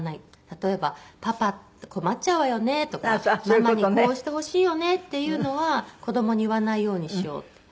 例えば「パパ困っちゃうわよね」とか「ママにこうしてほしいよね」っていうのは子どもに言わないようにしようって。